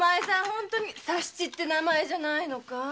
本当に佐七って名前じゃないのかい？